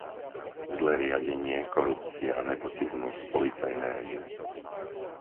Zlé riadenie, korupcia, nepotizmus, policajné režimy.